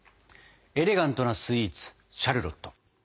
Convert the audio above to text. エレガントなスイーツシャルロット。